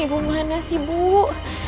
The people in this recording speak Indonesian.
ibu kemana sih bu